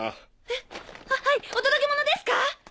えあっはいお届け物ですか？